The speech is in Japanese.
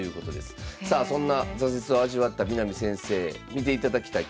さあそんな挫折を味わった南先生見ていただきたい